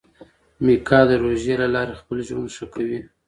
میکا د روژې له لارې خپل ژوند ښه کوي.